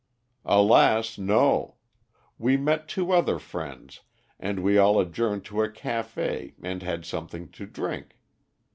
"Alas, no! We met two other friends, and we all adjourned to a café and had something to drink.